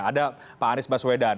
ada pak arief baswedan